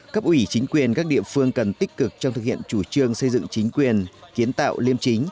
cấp ủy chính quyền các địa phương cần tích cực trong thực hiện chủ trương xây dựng chính quyền kiến tạo liêm chính